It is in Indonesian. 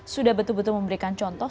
sudah betul betul memberikan contoh